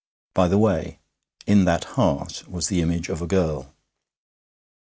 By the way, in that heart was the image of a girl.